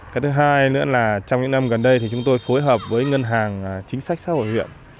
cái thứ hai nữa là trong những năm gần đây thì chúng tôi phối hợp với ngân hàng chính sách xã hội huyện